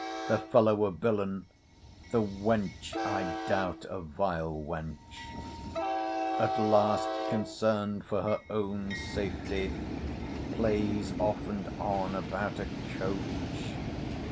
'The fellow a villain! The wench, I doubt, a vile wench. At last concerned for her own safety. Plays off and on about a coach.